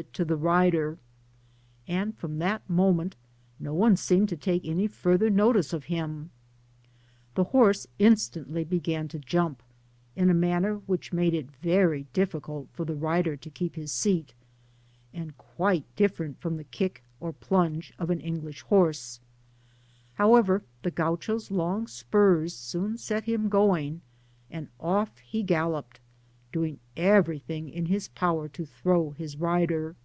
it to the rider, and from that moment no one seemed to take any further notice of him» The horse instantly began to jump, in a manner which made it very difficult for the rider to keep his seat^ and quite different from the kick or plunge of an English horse: however, the Gkiucho^s spurs soon set him going, and off he galloped, doing every thing in his power to throw his rider.